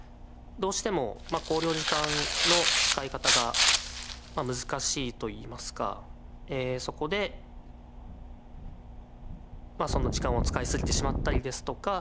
どうしても考慮時間の使い方が難しいといいますかそこで時間を使い過ぎてしまったりですとか